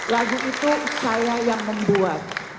lagu itu saya yang membuat